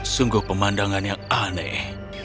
sungguh pemandangan yang aneh